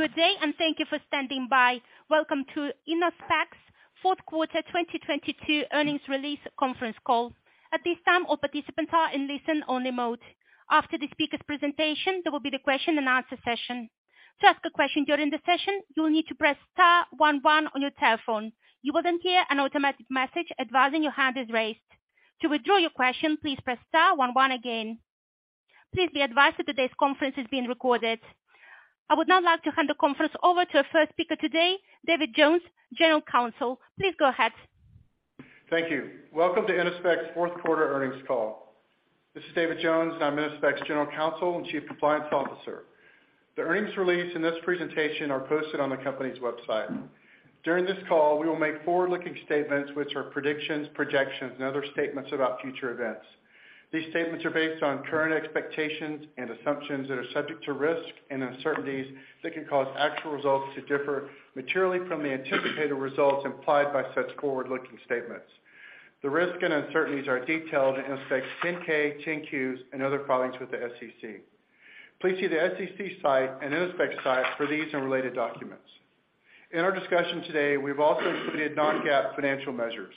Good day, and thank you for standing by. Welcome to Innospec's Q4 2022 earnings release conference call. At this time, all participants are in listen only mode. After the speaker's presentation, there will be the question and answer session. To ask a question during the session, you will need to press star one one on your telephone. You will then hear an automatic message advising your hand is raised. To withdraw your question, please press star one one again. Please be advised that today's conference is being recorded. I would now like to hand the conference over to our first speaker today, David Jones, General Counsel. Please go ahead. Thank you. Welcome to Innospec's Q4 earnings call. This is David Jones. I'm Innospec's General Counsel and Chief Compliance Officer. The earnings release in this presentation are posted on the company's website. During this call, we will make forward-looking statements which are predictions, projections, and other statements about future events. These statements are based on current expectations and assumptions that are subject to risks and uncertainties that can cause actual results to differ materially from the anticipated results implied by such forward-looking statements. The risks and uncertainties are detailed in Innospec's 10-K, 10-Qs, and other filings with the SEC. Please see the SEC site and Innospec's site for these and related documents. In our discussion today, we've also included non-GAAP financial measures.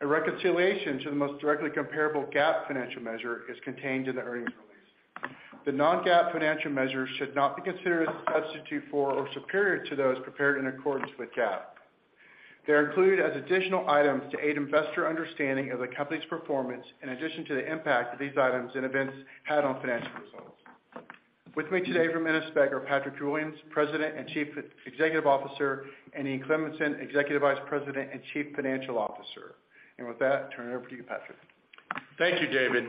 A reconciliation to the most directly comparable GAAP financial measure is contained in the earnings release. The non-GAAP financial measures should not be considered as a substitute for or superior to those prepared in accordance with GAAP. They're included as additional items to aid investor understanding of the company's performance, in addition to the impact that these items and events had on financial results. With me today from Innospec are Patrick Williams, President and Chief Executive Officer, and Ian Cleminson, Executive Vice President and Chief Financial Officer. With that, turn it over to you, Patrick. Thank you, David,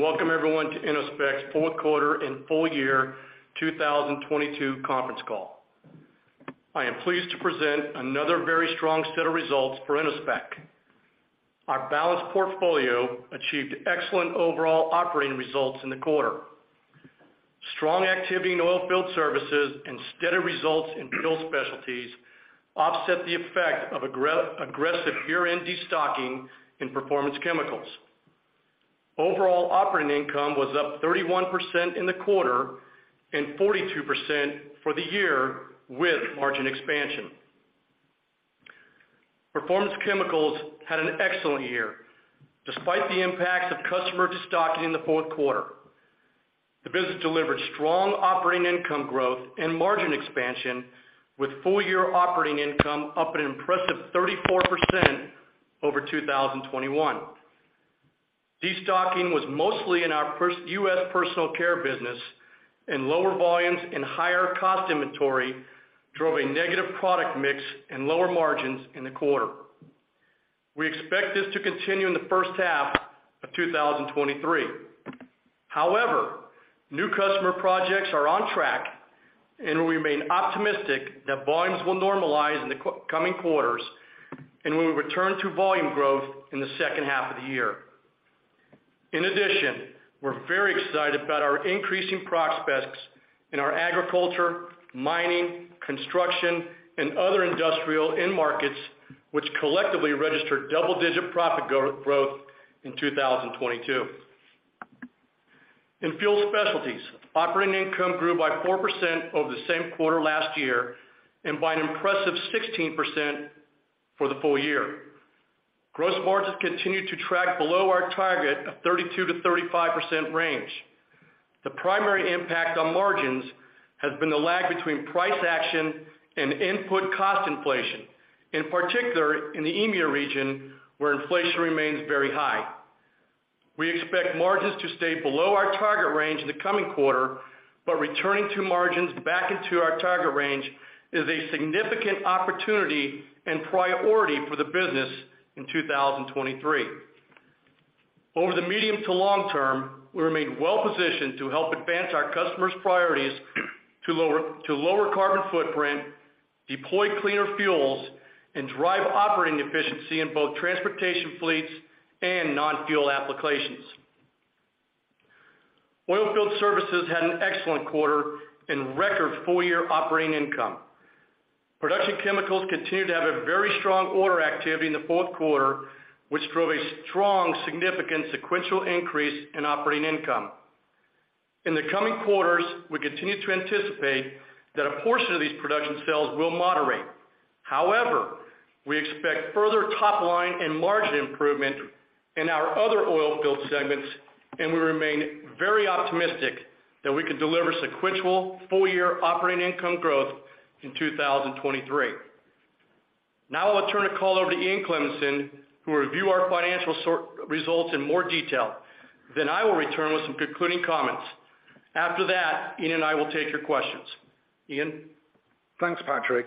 welcome everyone to Innospec's Q4 and full year 2022 conference call. I am pleased to present another very strong set of results for Innospec. Our balanced portfolio achieved excellent overall operating results in the quarter. Strong activity in Oilfield Services and steady results in Fuel Specialties offset the effect of aggressive year-end destocking in Performance Chemicals. Overall operating income was up 31% in the quarter and 42% for the year with margin expansion. Performance Chemicals had an excellent year despite the impacts of customer destocking in the Q4. The business delivered strong operating income growth and margin expansion, with full-year operating income up an impressive 34% over 2021. Destocking was mostly in our US personal care business, and lower volumes and higher cost inventory drove a negative product mix and lower margins in the quarter. We expect this to continue in the H1 of 2023. However, new customer projects are on track, and we remain optimistic that volumes will normalize in the coming quarters, and we will return to volume growth in the H2 of the year. In addition, we're very excited about our increasing prospects in our agriculture, mining, construction, and other industrial end markets, which collectively registered double-digit profit growth in 2022. In Fuel Specialties, operating income grew by 4% over the same quarter last year and by an impressive 16% for the full year. Gross margins continued to track below our target of 32%-35% range. The primary impact on margins has been the lag between price action and input cost inflation, in particular in the EMEA region, where inflation remains very high. We expect margins to stay below our target range in the coming quarter, returning to margins back into our target range is a significant opportunity and priority for the business in 2023. Over the medium to long term, we remain well positioned to help advance our customers' priorities to lower carbon footprint, deploy cleaner fuels, and drive operating efficiency in both transportation fleets and non-fuel applications. Oilfield Services had an excellent quarter and record full-year operating income. Production chemicals continued to have a very strong order activity in the Q4, which drove a strong significant sequential increase in operating income. In the coming quarters, we continue to anticipate that a portion of these production sales will moderate. We expect further top line and margin improvement in our other Oilfield Services segments, and we remain very optimistic that we can deliver sequential full-year operating income growth in 2023. I'll turn the call over to Ian Cleminson, who will review our financial results in more detail. I will return with some concluding comments. After that, Ian and I will take your questions. Ian? Thanks, Patrick.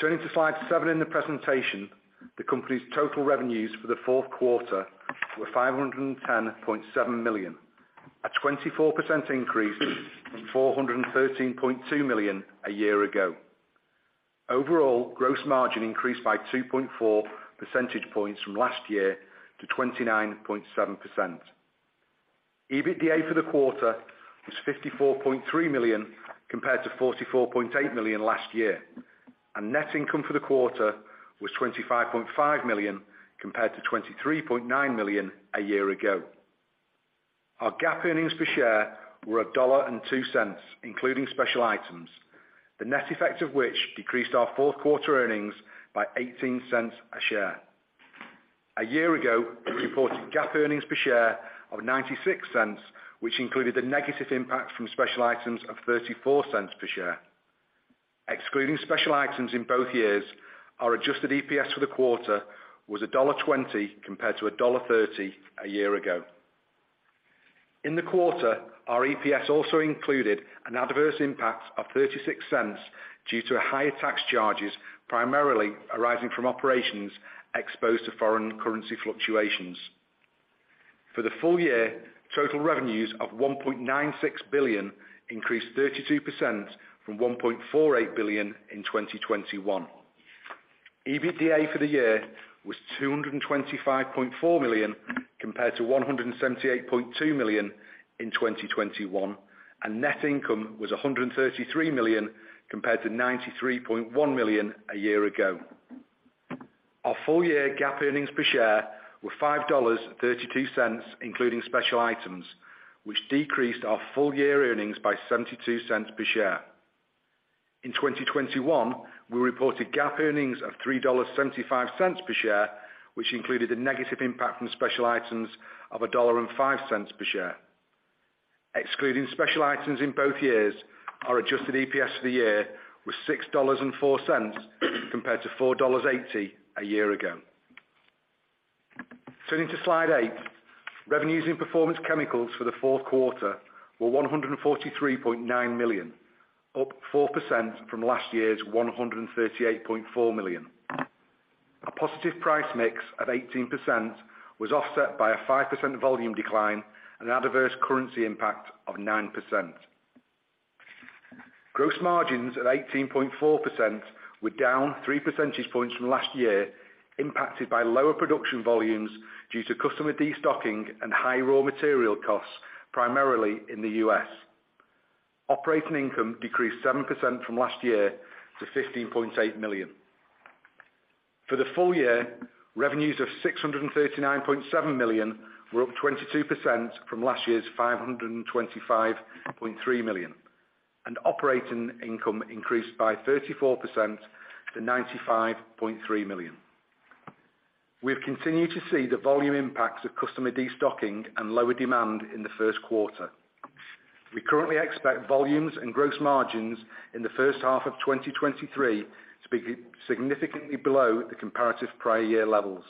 Turning to slide seven in the presentation, the company's total revenues for the Q4 were $510.7 million, a 24% increase from $413.2 million a year ago. Overall, gross margin increased by 2.4 percentage points from last year to 29.7%. EBITDA for the quarter was $54.3 million compared to $44.8 million last year, and net income for the quarter was $25.5 million compared to $23.9 million a year ago. Our GAAP earnings per share were $1.02, including special items, the net effect of which decreased our Q4 earnings by $0.18 a share. A year ago, we reported GAAP earnings per share of $0.96, which included the negative impact from special items of $0.34 per share. Excluding special items in both years, our adjusted EPS for the quarter was $1.20 compared to $1.30 a year ago. In the quarter, our EPS also included an adverse impact of $0.36 due to higher tax charges, primarily arising from operations exposed to foreign currency fluctuations. For the full year, total revenues of $1.96 billion increased 32% from $1.48 billion in 2021. EBITDA for the year was $225.4 million compared to $178.2 million in 2021, and net income was $133 million compared to $93.1 million a year ago. Our full year GAAP earnings per share were $5.32, including special items, which decreased our full year earnings by $0.72 per share. In 2021, we reported GAAP earnings of $3.75 per share, which included a negative impact from special items of $1.05 per share. Excluding special items in both years, our adjusted EPS for the year was $6.04 compared to $4.80 a year ago. Turning to Slide eight, revenues in Performance Chemicals for the Q4 were $143.9 million, up 4% from last year's $138.4 million. A positive price mix of 18% was offset by a 5% volume decline and an adverse currency impact of 9%. Gross margins at 18.4% were down 3 percentage points from last year, impacted by lower production volumes due to customer destocking an high raw material costs, primarily in the US. Operating income decreased 7% from last year to $15.8 million. For the full year, revenues of $639.7 million were up 22% from last year's $525.3 million, and operating income increased by 34% to $95.3 million. We have continued to see the volume impacts of customer destocking and lower demand in the Q1. We currently expect volumes and gross margins in the H1 of 2023 to be significantly below the comparative prior year levels.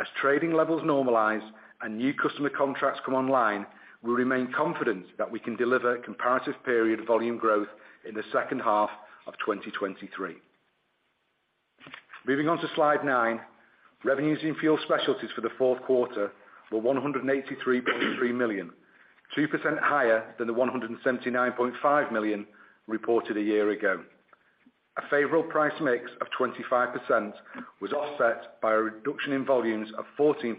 As trading levels normalize and new customer contracts come online, we remain confident that we can deliver comparative period volume growth in the H2 of 2023. Moving on to Slide nine, revenues in Fuel Specialties for the Q4 were $183.3 million, 2% higher than the $179.5 million reported a year ago. A favorable price mix of 25% was offset by a reduction in volumes of 14%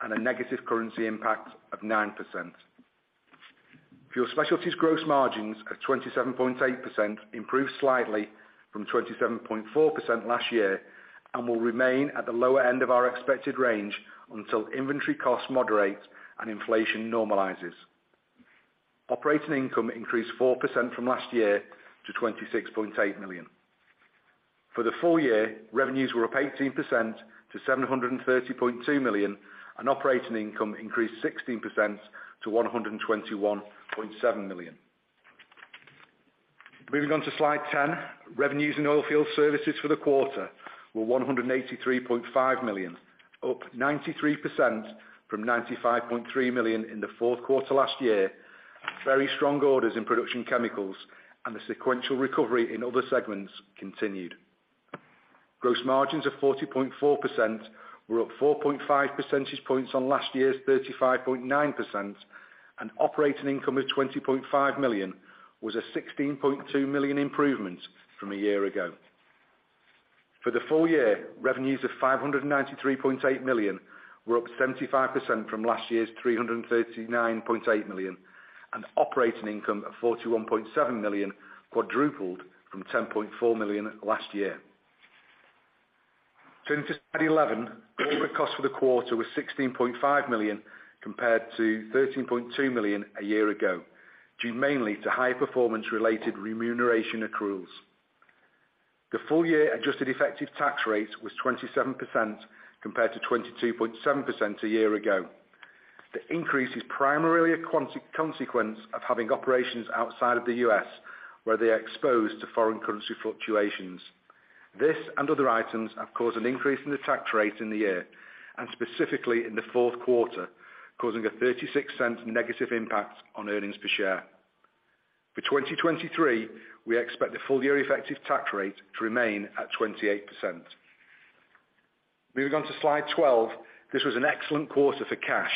and a negative currency impact of 9%. Fuel Specialties gross margins of 27.8% improved slightly from 27.4% last year and will remain at the lower end of our expected range until inventory costs moderate and inflation normalizes. Operating income increased 4% from last year to $26.8 million. For the full year, revenues were up 18% to $730.2 million, and operating income increased 16% to $121.7 million. Moving on to Slide 10, revenues in Oilfield Services for the quarter were $183.5 million, up 93% from $95.3 million in the Q4 last year. Very strong orders in production chemicals and the sequential recovery in other segments continued. Gross margins of 40.4% were up 4.5 percentage points on last year's 35.9% and operating income of $20.5 million was a $16.2 million improvement from a year ago. For the full year, revenues of $593.8 million were up 75% from last year's $339.8 million, and operating income of $41.7 million quadrupled from $10.4 million last year. Turning to Slide 11, corporate costs for the quarter were $16.5 million compared to $13.2 million a year ago, due mainly to high performance-related remuneration accruals. The full year adjusted effective tax rate was 27% compared to 22.7% a year ago. The increase is primarily a consequence of having operations outside of the US where they are exposed to foreign currency fluctuations. This and other items have caused an increase in the tax rate in the year, and specifically in the Q4, causing a $0.36 negative impact on earnings per share. For 2023, we expect the full year effective tax rate to remain at 28%. Moving on to Slide 12, this was an excellent quarter for cash,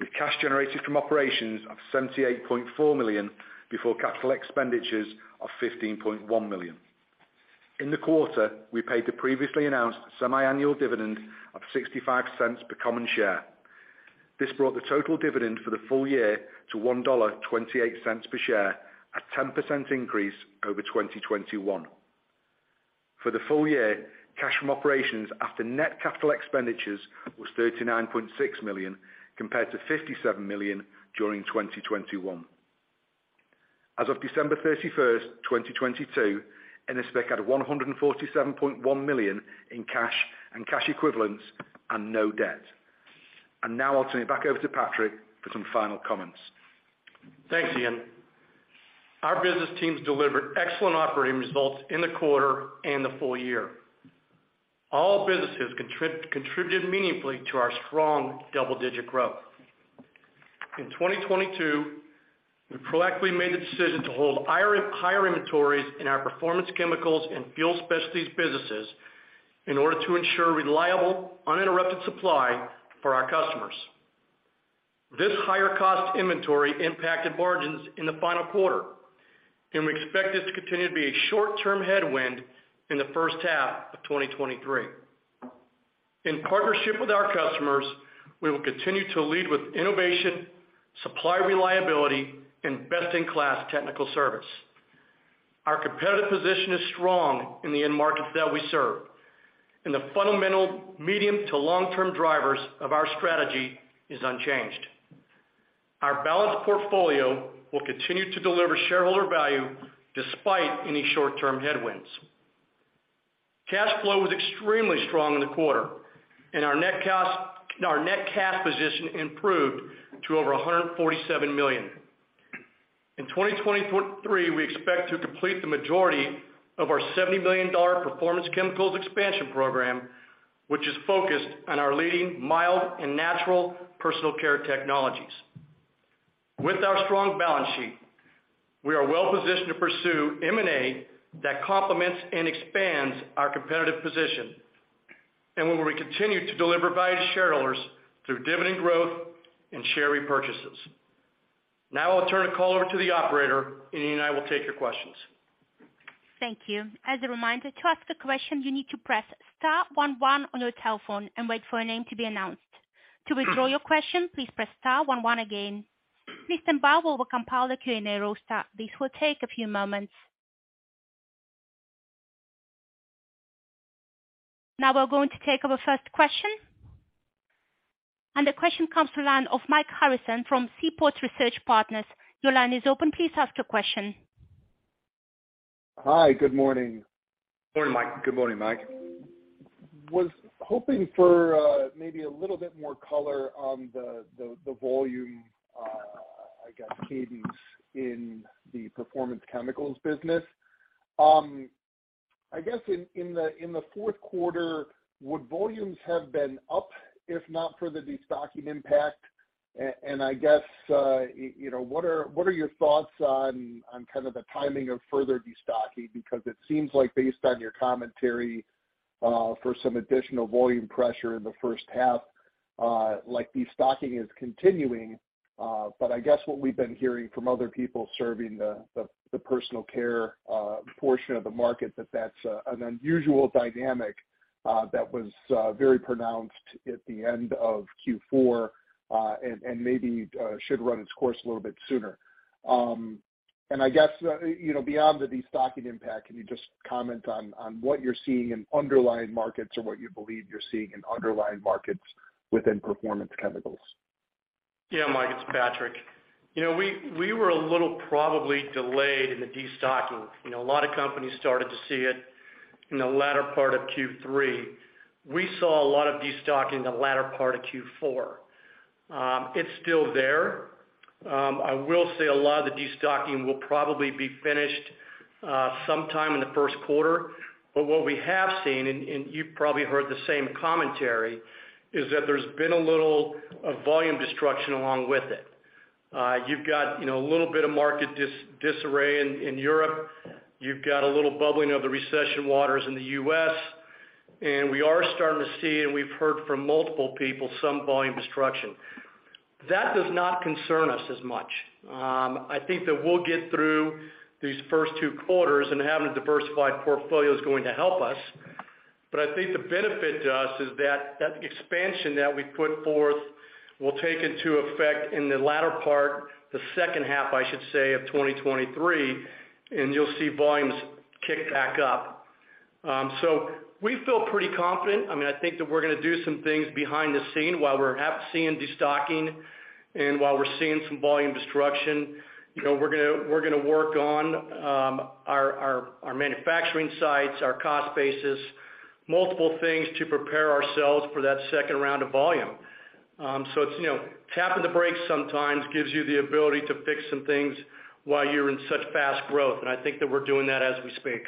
with cash generated from operations of $78.4 million before capital expenditures of $15.1 million. In the quarter, we paid the previously announced semiannual dividend of $0.65 per common share. This brought the total dividend for the full year to $1.28 per share, a 10% increase over 2021. For the full year, cash from operations after net capital expenditures was $39.6 million compared to $57 million during 2021. As of December 31st, 2022, Innospec had $147.1 million in cash and cash equivalents and no debt. Now I'll turn it back over to Patrick for some final comments. Thanks, Ian. Our business teams delivered excellent operating results in the quarter and the full year. All businesses contributed meaningfully to our strong double-digit growth. In 2022, we proactively made the decision to hold higher inventories in our Performance Chemicals and Fuel Specialties businesses in order to ensure reliable, uninterrupted supply for our customers. This higher cost inventory impacted margins in the final quarter, and we expect this to continue to be a short-term headwind in the H1 of 2023. In partnership with our customers, we will continue to lead with innovation, supply reliability, and best-in-class technical service. Our competitive position is strong in the end markets that we serve. The fundamental medium to long-term drivers of our strategy is unchanged. Our balanced portfolio will continue to deliver shareholder value despite any short-term headwinds. Cash flow was extremely strong in the quarter, and our net cash position improved to over $147 million. In 2023, we expect to complete the majority of our $70 million Performance Chemicals expansion program, which is focused on our leading mild and natural personal care technologies. With our strong balance sheet, we are well positioned to pursue M&A that complements and expands our competitive position, and where we continue to deliver value to shareholders through dividend growth and share repurchases. I'll turn the call over to the operator, and he and I will take your questions. Thank you. As a reminder, to ask a question, you need to press star one one on your telephone and wait for a name to be announced. To withdraw your question, please press star one one again. Please stand by while we compile the Q&A roster. This will take a few moments. We're going to take our first question. The question comes to the line of Mike Harrison from Seaport Research Partners. Your line is open. Please ask your question. Hi. Good morning. Morning, Mike. Good morning, Mike. Was hoping for maybe a little bit more color on the, the volume, I guess, cadence in the Performance Chemicals business. I guess in the, in the Q4, would volumes have been up if not for the destocking impact? I guess, what are, what are your thoughts on kind of the timing of further destocking? It seems like based on your commentary, for some additional volume pressure in the H1, like destocking is continuing. I guess what we've been hearing from other people serving the, the personal care, portion of the market that that's an unusual dynamic, that was very pronounced at the end of Q4, and maybe should run its course a little bit sooner. I guess, you know, beyond the destocking impact, can you just comment on what you're seeing in underlying markets or what you believe you're seeing in underlying markets within Performance Chemicals? Yeah. Mike, it's Patrick. You know, we were a little probably delayed in the destocking. You know, a lot of companies started to see it in the latter part of Q3. We saw a lot of destocking in the latter part of Q4. It's still there. I will say a lot of the destocking will probably be finished sometime in the Q1. What we have seen, and you've probably heard the same commentary, is that there's been a little volume destruction along with it. You've got, you know, a little bit of market disarray in Europe. You've got a little bubbling of the recession waters in the U.S.. We are starting to see and we've heard from multiple people, some volume destruction. That does not concern us as much. I think that we'll get through these first two quarters and having a diversified portfolio is going to help us. I think the benefit to us is that that expansion that we've put forth will take into effect in the latter part, the H2, I should say, of 2023, and you'll see volumes kick back up. We feel pretty confident. I mean, I think that we're gonna do some things behind the scene while we're seeing destocking and while we're seeing some volume destruction. You know, we're gonna work on our manufacturing sites, our cost basis, multiple things to prepare ourselves for that second round of volume. It's, you know, tapping the brakes sometimes gives you the ability to fix some things while you're in such fast growth, and I think that we're doing that as we speak.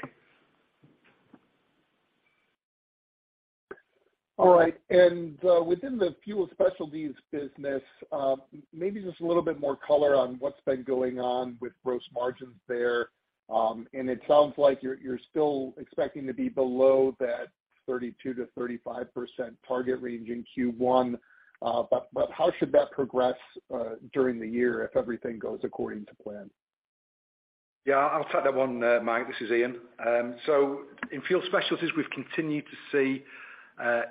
All right. Within the Fuel Specialties business, maybe just a little bit more color on what's been going on with gross margins there. It sounds like you're still expecting to be below that 32%-35% target range in Q1. How should that progress during the year if everything goes according to plan? Yeah. I'll take that one, Mike. This is Ian. In Fuel Specialties, we've continued to see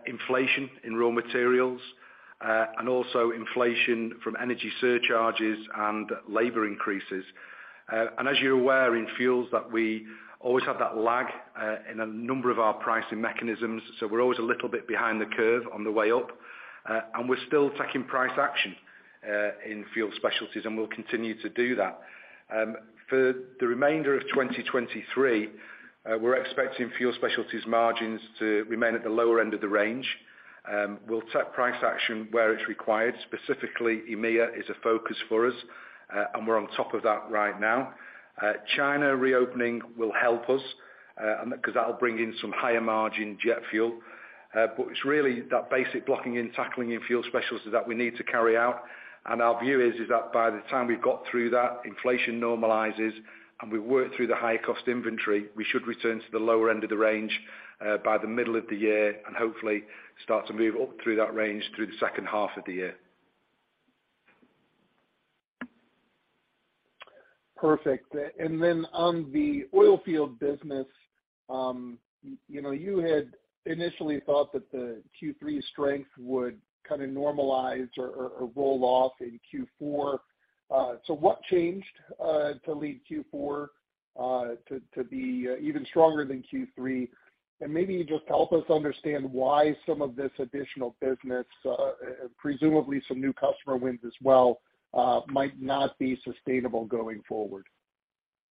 inflation in raw materials. Also inflation from energy surcharges and labor increases. As you're aware in fuels that we always have that lag in a number of our pricing mechanisms, so we're always a little bit behind the curve on the way up, and we're still taking price action in Fuel Specialties, and we'll continue to do that. For the remainder of 2023, we're expecting Fuel Specialties margins to remain at the lower end of the range. We'll set price action where it's required. Specifically, EMEA is a focus for us, and we're on top of that right now. China reopening will help us, and, 'cause that'll bring in some higher margin jet fuel. It's really that basic blocking and tackling in Fuel Specialties that we need to carry out. Our view is that by the time we've got through that, inflation normalizes and we work through the high cost inventory, we should return to the lower end of the range by the middle of the year and hopefully start to move up through that range through the H2 of the year. Perfect. Then on the Oilfield Services business, you know, you had initially thought that the Q3 strength would kind of normalize or roll off in Q4. What changed to lead Q4 to be even stronger than Q3? Maybe just help us understand why some of this additional business, presumably some new customer wins as well, might not be sustainable going forward.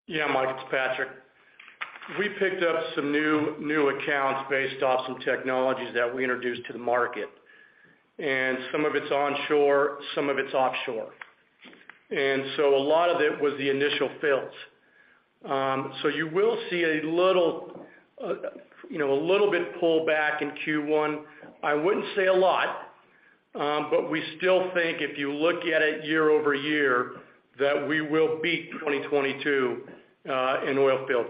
Yeah, Mike, it's Patrick. We picked up some new accounts based off some technologies that we introduced to the market, some of it's onshore, some of it's offshore. A lot of it was the initial fills. You will see a little, you know, a little bit pullback in Q1. I wouldn't say a lot, we still think if you look at it year-over-year, that we will beat 2022 in Oilfield.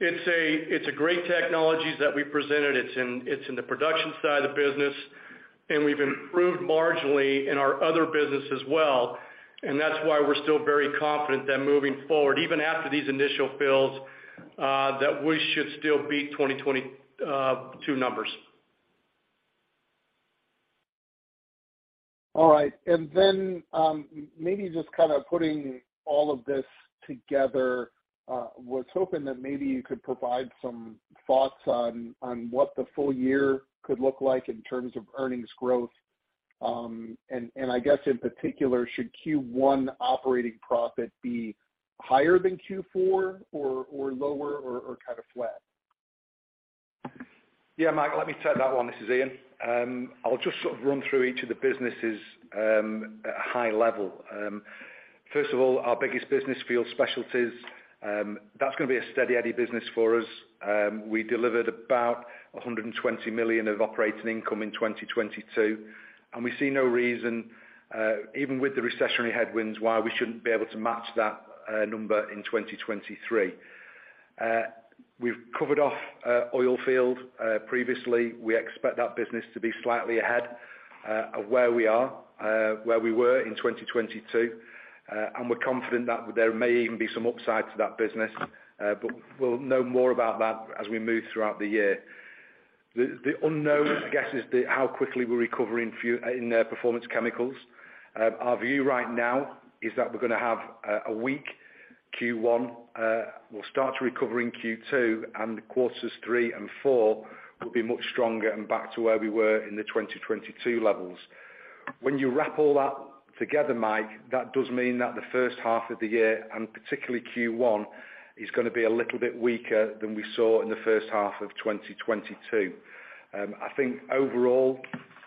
It's a great technologies that we presented. It's in the production side of the business, we've improved marginally in our other business as well, and that's why we're still very confident that moving forward, even after these initial fills, that we should still beat 2022 numbers. All right. Then, maybe just kind of putting all of this together, was hoping that maybe you could provide some thoughts on what the full year could look like in terms of earnings growth. I guess in particular, should Q1 operating profit be higher than Q4 or lower or kind of flat? Yeah, Mike, let me take that one. This is Ian. I'll just sort of run through each of the businesses at a high level. First of all, our biggest business, Fuel Specialties, that's gonna be a steady Eddie business for us. We delivered about $120 million of operating income in 2022, and we see no reason, even with the recessionary headwinds, why we shouldn't be able to match that number in 2023. We've covered off Oilfield previously. We expect that business to be slightly ahead of where we are, where we were in 2022. We're confident that there may even be some upside to that business, we'll know more about that as we move throughout the year. The unknown, I guess, is how quickly we're recovering in the Performance Chemicals. Our view right now is that we're gonna have a weak Q1. We'll start to recover in Q2, and Q3 and Q4 will be much stronger and back to where we were in the 2022 levels. When you wrap all that together, Mike, that does mean that the H1 of the year, and particularly Q1, is gonna be a little bit weaker than we saw in the H1 of 2022. I think overall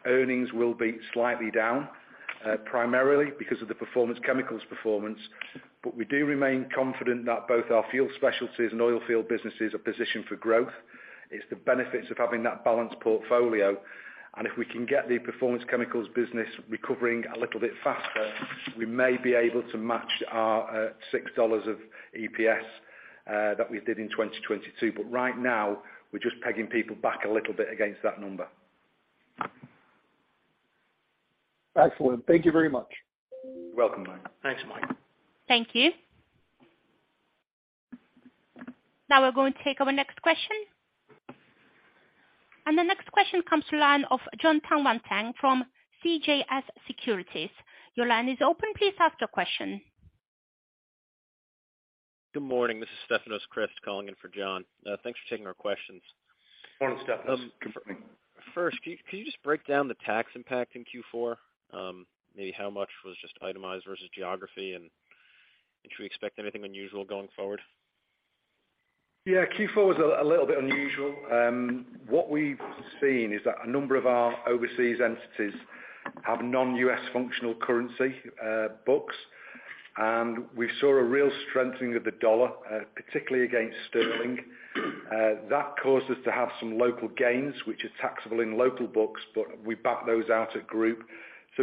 earnings will be slightly down, primarily because of the Performance Chemicals performance. We do remain confident that both our Fuel Specialties and Oilfield Services are positioned for growth. It's the benefits of having that balanced portfolio. If we can get the Performance Chemicals business recovering a little bit faster, we may be able to match our $6 of EPS that we did in 2022. Right now, we're just pegging people back a little bit against that number. Excellent. Thank you very much. You're welcome, Mike. Thanks, Mike. Thank you. Now we're going to take our next question. The next question comes to line of Jon Tanwanteng from CJS Securities. Your line is open. Please ask your question. Good morning. This is Stefanos Crist calling in for John. Thanks for taking our questions. Morning, Stefanos. Good morning. First, can you just break down the tax impact in Q4? Maybe how much was just itemized versus geography, and should we expect anything unusual going forward? Yeah. Q4 was a little bit unusual. What we've seen is that a number of our overseas entities have non-U.S. functional currency books. We saw a real strengthening of the dollar particularly against sterling. That caused us to have some local gains, which are taxable in local books, but we back those out at group.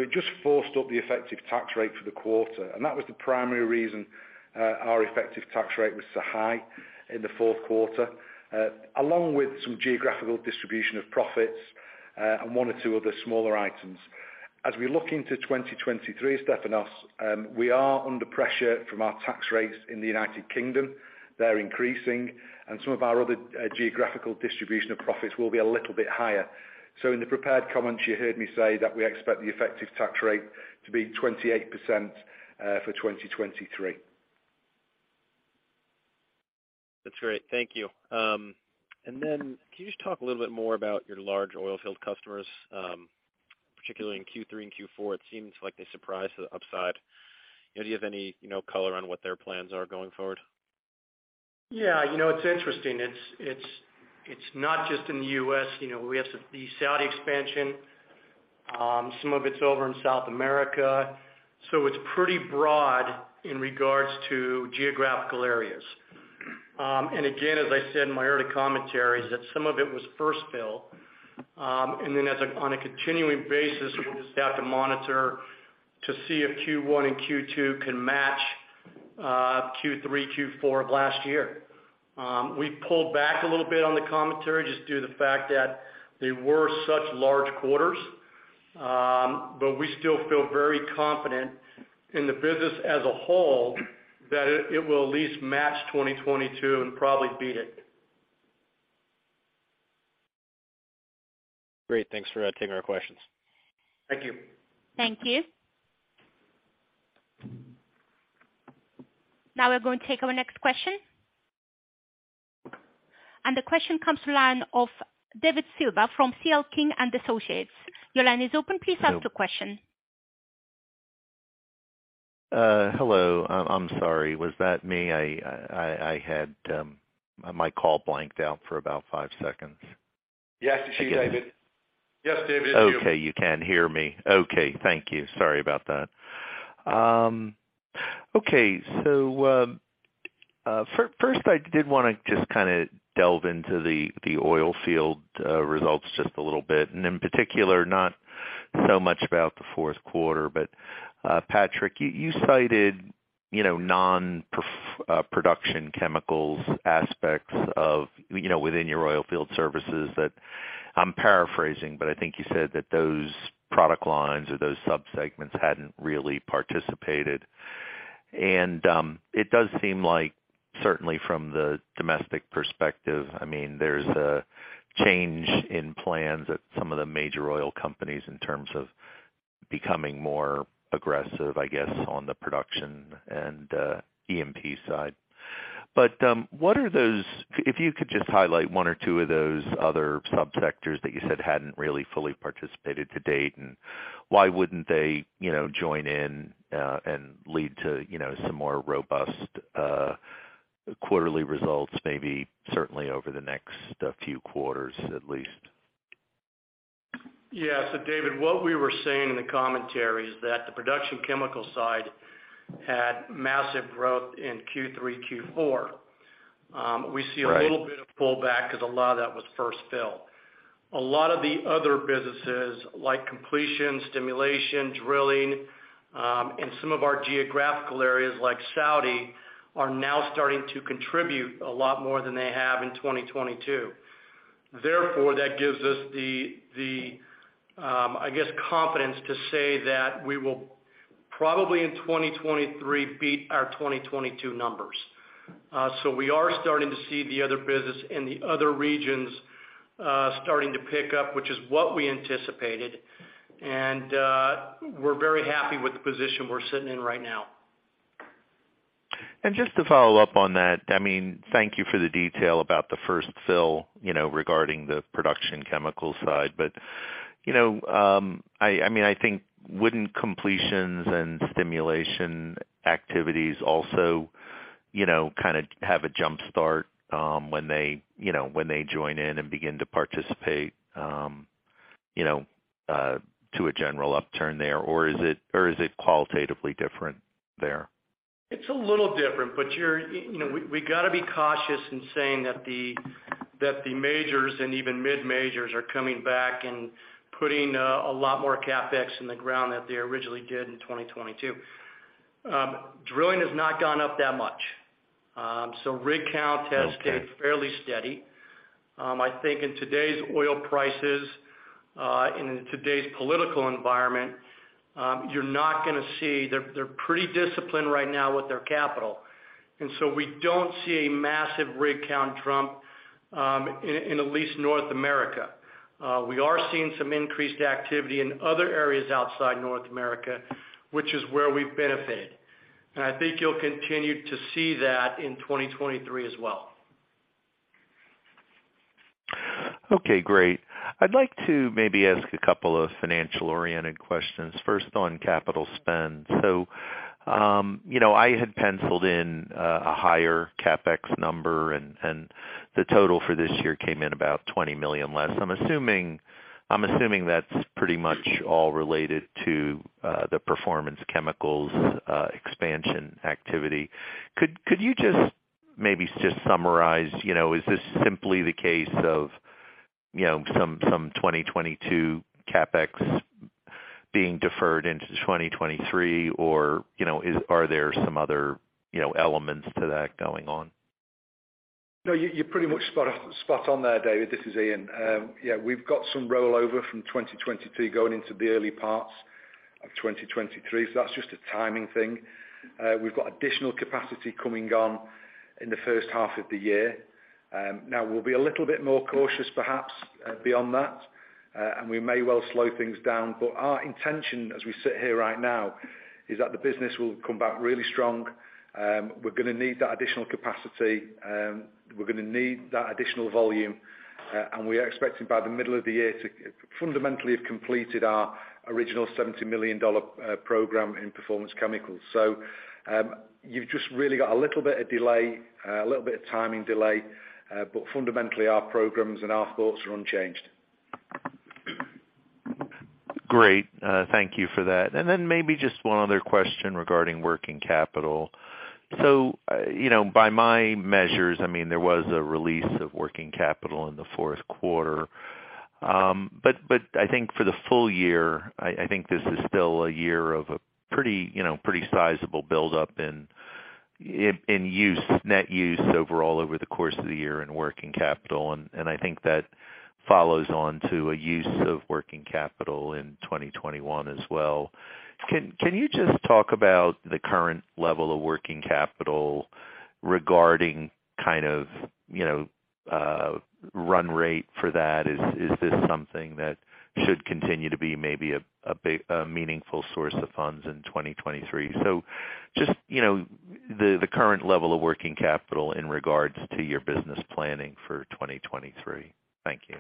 It just forced up the effective tax rate for the quarter. That was the primary reason our effective tax rate was so high in the Q4, along with some geographical distribution of profits, and one or two other smaller items. As we look into 2023, Stefanos, we are under pressure from our tax rates in the United Kingdom. They're increasing, and some of our other geographical distribution of profits will be a little bit higher. In the prepared comments, you heard me say that we expect the effective tax rate to be 28% for 2023. That's great. Thank you. Then can you just talk a little bit more about your large oil field customers, particularly in Q3 and Q4? It seems like they surprised to the upside. Do you have any, you know, color on what their plans are going forward? Yeah. You know, it's interesting. It's not just in the U.S.. You know, we have the Saudi expansion, some of it's over in South America, it's pretty broad in regards to geographical areas. Again, as I said in my early commentary, is that some of it was first fill, then on a continuing basis, we'll just have to monitor to see if Q1 and Q2 can match Q3, Q4 of last year. We pulled back a little bit on the commentary just due to the fact that they were such large quarters. We still feel very confident in the business as a whole that it will at least match 2022 and probably beat it. Great. Thanks for taking our questions. Thank you. Thank you. Now we're going to take our next question. The question comes to line of David Silver from C.L. King & Associates. Your line is open. Please ask your question. Hello. I'm sorry. Was that me? I had my call blanked out for about five seconds. Yes, it's you, David. Yes, David, it's you. Okay. You can hear me. Okay. Thank you. Sorry about that. Okay. First I did wanna just kinda delve into the oilfield results just a little bit, and in particular, not so much about the Q4. Patrick, you cited, you know, non-production chemicals aspects of, you know, within your Oilfield Services that I'm paraphrasing, but I think you said that those product lines or those sub-segments hadn't really participated. It does seem like certainly from the domestic perspective, I mean, there's a change in plans at some of the major oil companies in terms of becoming more aggressive, I guess, on the production and E&P side. What are those... If you could just highlight one or two of those other subsectors that you said hadn't really fully participated to date, and why wouldn't they, you know, join in, and lead to, you know, some more robust, quarterly results, maybe certainly over the next, few quarters at least? Yeah. David, what we were saying in the commentary is that the production chemical side had massive growth in Q3, Q4. Right. -a little bit of pullback 'cause a lot of that was first fill. A lot of the other businesses like completion, stimulation, drilling, and some of our geographical areas, like Saudi, are now starting to contribute a lot more than they have in 2022. That gives us the, I guess, confidence to say that we will probably in 2023 beat our 2022 numbers. We are starting to see the other business in the other regions, starting to pick up, which is what we anticipated. We're very happy with the position we're sitting in right now. Just to follow up on that, I mean, thank you for the detail about the first fill, you know, regarding the production chemical side. You know, I mean, I think wouldn't completions and stimulation activities also, you know, kinda have a jump-start when they, you know, when they join in and begin to participate, you know, to a general upturn there, or is it qualitatively different there? It's a little different. You're, you know, we gotta be cautious in saying that the majors and even mid-majors are coming back and putting a lot more CapEx in the ground that they originally did in 2022. Drilling has not gone up that much. Rig count has. Okay. stayed fairly steady. I think in today's oil prices, in today's political environment, you're not gonna see... They're pretty disciplined right now with their capital. We don't see a massive rig count jump in at least North America. We are seeing some increased activity in other areas outside North America, which is where we benefit. I think you'll continue to see that in 2023 as well. Okay, great. I'd like to maybe ask a couple of financial-oriented questions. First, on capital spend. You know, I had penciled in a higher CapEx number and the total for this year came in about $20 million less. I'm assuming that's pretty much all related to the Performance Chemicals expansion activity. Could you just maybe just summarize, you know, is this simply the case of, you know, some 2022 CapEx being deferred into 2023, or, you know, are there some other, you know, elements to that going on? No, you pretty much spot on there, David. This is Ian. Yeah, we've got some rollover from 2022 going into the early parts of 2023. That's just a timing thing. We've got additional capacity coming on In the H1 of the year. Now we'll be a little bit more cautious perhaps beyond that, and we may well slow things down. Our intention as we sit here right now is that the business will come back really strong. We're gonna need that additional capacity, we're gonna need that additional volume. We are expecting by the middle of the year to fundamentally have completed our original $70 million program in Performance Chemicals. You've just really got a little bit of delay, a little bit of timing delay, but fundamentally our programs and our thoughts are unchanged. Great. Thank you for that. Then maybe just one other question regarding working capital. You know, by my measures, I mean there was a release of working capital in the Q4. But I think for the full year, I think this is still a year of a pretty, you know, pretty sizable buildup in use, net use overall over the course of the year in working capital. I think that follows on to a use of working capital in 2021 as well. Can you just talk about the current level of working capital regarding kind of, you know, run rate for that? Is this something that should continue to be maybe a meaningful source of funds in 2023? just, you know, the current level of working capital in regards to your business planning for 2023. Thank you.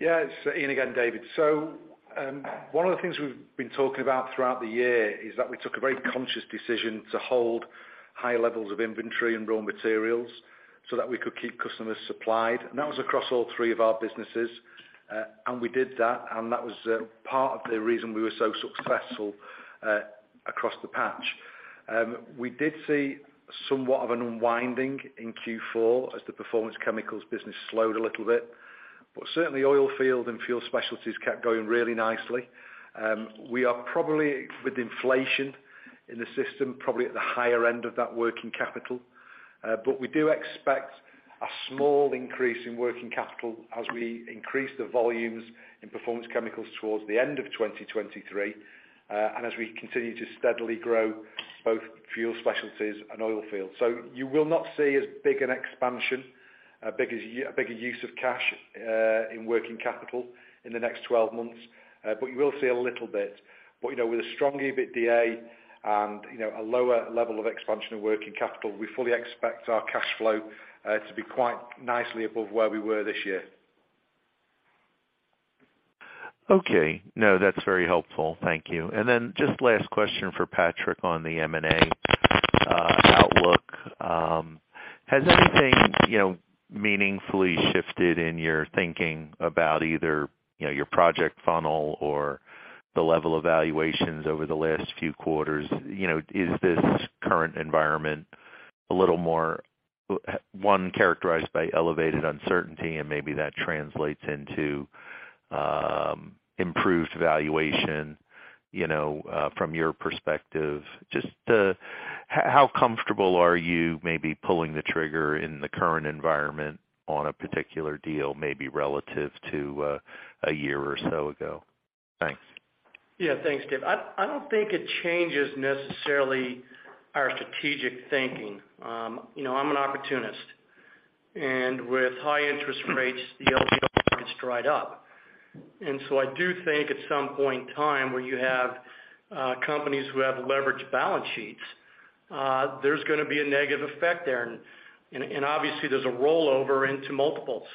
Yeah. It's Ian again, David. One of the things we've been talking about throughout the year is that we took a very conscious decision to hold high levels of inventory and raw materials so that we could keep customers supplied. That was across all three of our businesses. We did that, and that was part of the reason we were so successful across the patch. We did see somewhat of an unwinding in Q4 as the Performance Chemicals business slowed a little bit, but certainly Oilfield and Fuel Specialties kept going really nicely. We are probably with inflation in the system, probably at the higher end of that working capital. We do expect a small increase in working capital as we increase the volumes in Performance Chemicals towards the end of 2023, and as we continue to steadily grow both Fuel Specialties and Oilfield. You will not see as big an expansion, a bigger use of cash in working capital in the next 12 months. You will see a little bit. You know, with a strong EBITDA and, you know, a lower level of expansion of working capital, we fully expect our cash flow to be quite nicely above where we were this year. Okay. No, that's very helpful. Thank you. Then just last question for Patrick on the M&A outlook. Has anything, you know, meaningfully shifted in your thinking about either, you know, your project funnel or the level of valuations over the last few quarters? You know, is this current environment a little more one characterized by elevated uncertainty and maybe that translates into improved valuation, you know, from your perspective? Just how comfortable are you maybe pulling the trigger in the current environment on a particular deal, maybe relative to a year or so ago? Thanks. Yeah. Thanks, Dave. I don't think it changes necessarily our strategic thinking. you know, I'm an opportunist, with high interest rates, the LBO markets dried up. I do think at some point in time where you have companies who have leveraged balance sheets, there's gonna be a negative effect there. Obviously there's a rollover into multiples.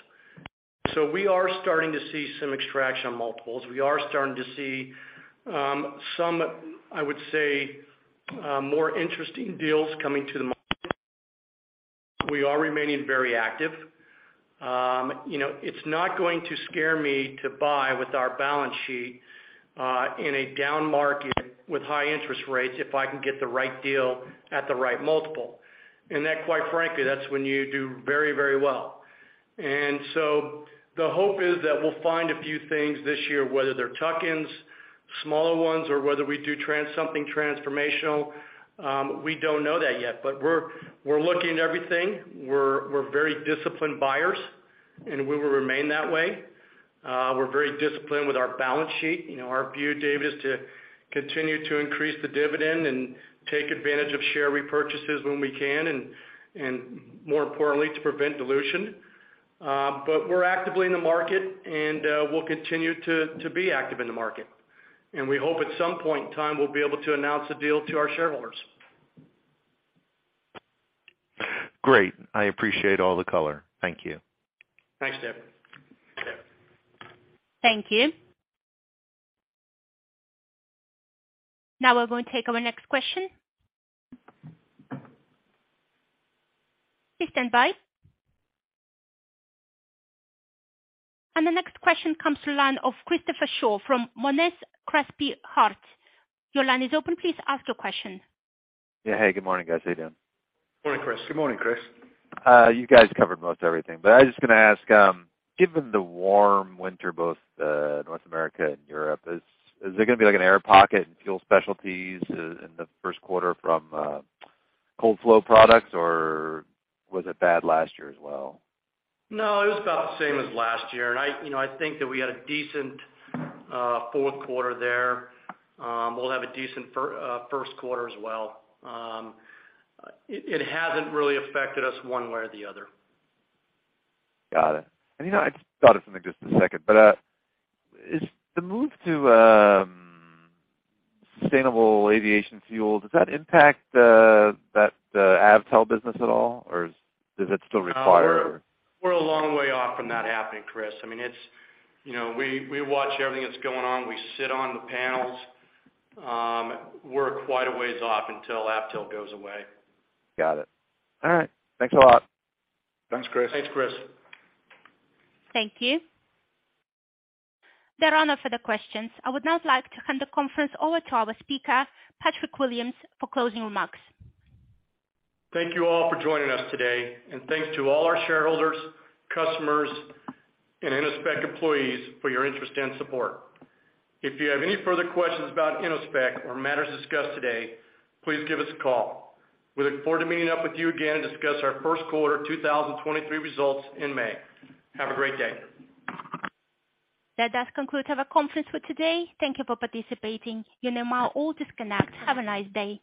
We are starting to see some extraction on multiples. We are starting to see some, I would say, more interesting deals coming to the market. We are remaining very active. you know, it's not going to scare me to buy with our balance sheet, in a down market with high interest rates if I can get the right deal at the right multiple. That, quite frankly, that's when you do very, very well. The hope is that we'll find a few things this year, whether they're tuck-ins, smaller ones or whether we do something transformational, we don't know that yet. We're looking at everything. We're very disciplined buyers, and we will remain that way. We're very disciplined with our balance sheet. You know, our view, David, is to continue to increase the dividend and take advantage of share repurchases when we can and more importantly, to prevent dilution. We're actively in the market and we'll continue to be active in the market. We hope at some point in time we'll be able to announce a deal to our shareholders. Great. I appreciate all the color. Thank you. Thanks, David. Thanks. Thank you. Now we're going to take our next question. Please stand by. The next question comes to line of Christopher Shaw from Monness, Crespi, Hardt. Your line is open. Please ask your question. Yeah. Hey, good morning, guys. How you doing? Morning, Chris. Good morning, Chris. You guys covered most everything, but I was just gonna ask, given the warm winter both, North America and Europe, is there gonna be like an air pocket in Fuel Specialties in the Q1 from cold flow products, or was it bad last year as well? No, it was about the same as last year. I, you know, I think that we had a decent Q4 there. We'll have a decent Q1 as well. It, it hasn't really affected us one way or the other. Got it. You know, I just thought of something just a second. Is the move to, Sustainable Aviation Fuel, does that impact, that, AvTEL business at all, or does it still require- We're a long way off from that happening, Chris. I mean, it's. You know, we watch everything that's going on. We sit on the panels. We're quite a ways off until AvTEL goes away. Got it. All right. Thanks a lot. Thanks, Chris. Thanks, Chris. Thank you. There are no further questions. I would now like to hand the conference over to our speaker, Patrick Williams, for closing remarks. Thank you all for joining us today. Thanks to all our shareholders, customers and Innospec employees for your interest and support. If you have any further questions about Innospec or matters discussed today, please give us a call. We look forward to meeting up with you again and discuss our Q1 2023 results in May. Have a great day. That does conclude our conference for today. Thank you for participating. You may now all disconnect. Have a nice day.